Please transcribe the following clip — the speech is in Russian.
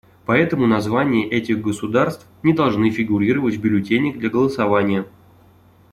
Поэтому названия этих государств не должны фигурировать в бюллетенях для голосования.